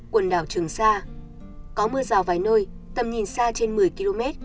quần đảo trường sa có mưa rào vài nơi tầm nhìn xa trên một mươi km